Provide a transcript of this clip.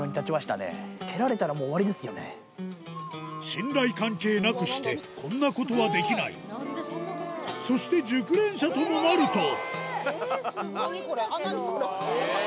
信頼関係なくしてこんなことはできないそして熟練者ともなるとえぇスゴいんだけど！